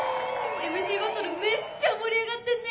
ＭＣバトルめっちゃ盛り上がってんね！